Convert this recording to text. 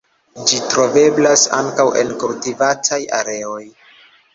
Ĝi troveblas ankaŭ en kultivataj areoj.